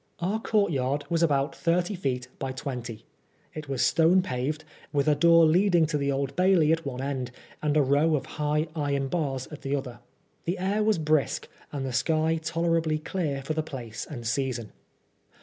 Our courtyard was about thirty feet" by twenty. It was stone paved, with a door leading to the Old Bailey at one end, and a row of high iron bars at the other. The air was brisk, and the sky tolerably clear for the place and season.